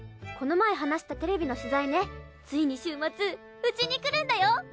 この前話したテレビの取材ねついに週末うちに来るんだよ！